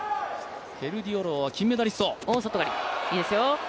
ケルディヨロワは金メダリスト。